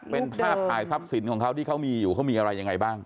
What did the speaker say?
เป็นภาพถ่ายทรัพย์สินของเขาที่เขามีอยู่เขามีอะไรยังไงบ้าง